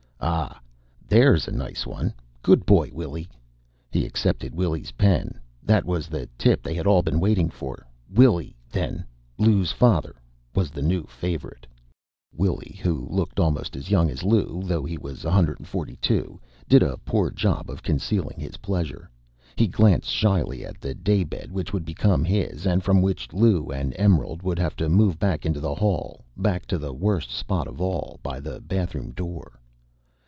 "Ah, there's a nice one. Good boy, Willy." He accepted Willy's pen. That was the tip they had all been waiting for. Willy, then Lou's father was the new favorite. Willy, who looked almost as young as Lou, though he was 142, did a poor job of concealing his pleasure. He glanced shyly at the daybed, which would become his, and from which Lou and Emerald would have to move back into the hall, back to the worst spot of all by the bathroom door.